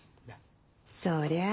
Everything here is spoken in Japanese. そりゃあ